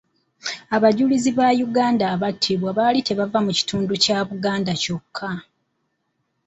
Abajulizi ba Uganda abattibwa baali tebava mu kitundu kya Buganda kyokka.